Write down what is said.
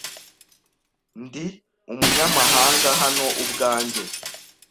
Ndi umunyamahanga hano ubwanjye.